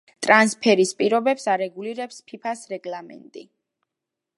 ტრანსფერის პირობებს არეგულირებს ფიფას რეგლამენტი.